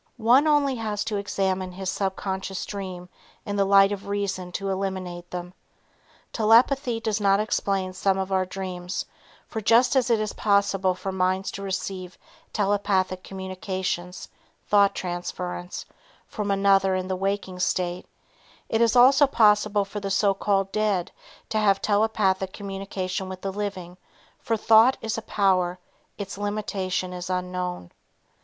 One only has to examine his subconscious dream in the light of reason to eliminate them. Telepathy does explain some of our dreams, for just as it is possible for minds to receive telepathic communications (thought transference) from another in the walking state, it is also possible for the so called dead to have telepathic communication with the living, for thought is a power, its limitation is unknown.